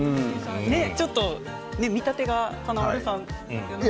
ちょっと見立てが華丸さんに。